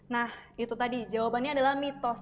nah itu tadi jawabannya adalah mitos